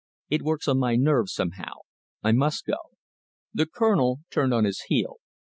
It works on my nerves somehow. I must go." The Colonel turned on his heel.